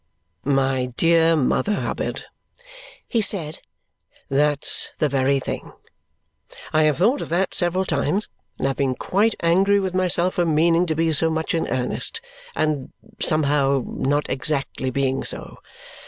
"My dear Mother Hubbard," he said, "that's the very thing! I have thought of that several times and have been quite angry with myself for meaning to be so much in earnest and somehow not exactly being so.